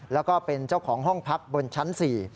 แล้วก็เป็นเจ้าของห้องพักบนชั้น๔